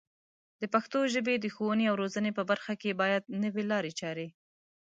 د پښتو ژبې د ښوونې او روزنې په برخه کې باید نوې لارې چارې